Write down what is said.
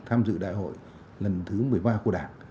tham dự đại hội lần thứ một mươi ba của đảng